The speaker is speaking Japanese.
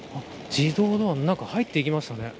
自動ドアの中入っていきましたね。